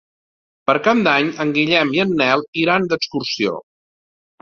Per Cap d'Any en Guillem i en Nel iran d'excursió.